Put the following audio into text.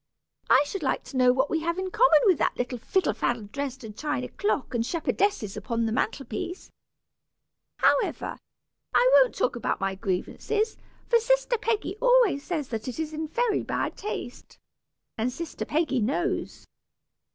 I should like to know what we have in common with that little fiddle faddle Dresden china clock and shepherdesses upon the mantel piece! However, I won't talk about my grievances, for sister Peggy always says that it is in very bad taste, and sister Peggy knows.